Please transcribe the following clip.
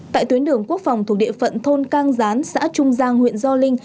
tại tuyến đường quốc phòng thuộc địa phận thôn cang gián xã trung giang huyện gio linh